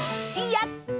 やった！